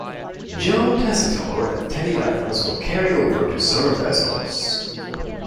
Joe Tessitore and Teddy Atlas will carry over to serve as hosts.